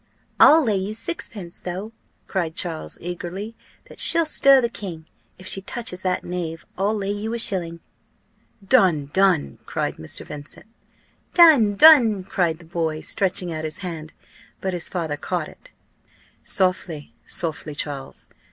"I'll lay you sixpence, though," cried Charles, eagerly, "that she'll stir the king, if she touches that knave I'll lay you a shilling." "Done! done!" cried Mr. Vincent. "Done! done!" cried the boy, stretching out his hand, but his father caught it. "Softly! softly, Charles!